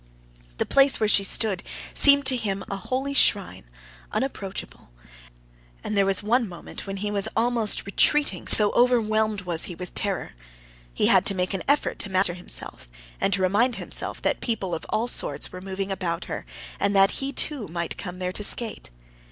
The place where she stood seemed to him a holy shrine, unapproachable, and there was one moment when he was almost retreating, so overwhelmed was he with terror. He had to make an effort to master himself, and to remind himself that people of all sorts were moving about her, and that he too might come there to skate.